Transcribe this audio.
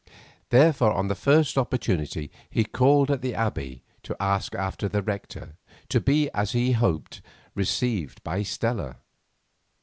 Therefore, on the first opportunity he called at the Abbey to ask after the rector, to be, as he had hoped, received by Stella.